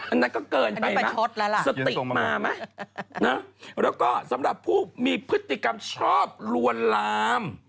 อันนั้นก็เกินไปไหมสติมาไหมนะแล้วก็สำหรับผู้มีพฤติกรรมชอบลวนลาม